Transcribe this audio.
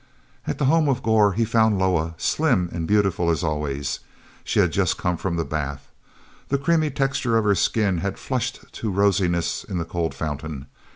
t the home of Gor he found Loah, slim and beautiful as always. She had just come from the bath. The creamy texture of her skin had flushed to rosiness in the cold fountain.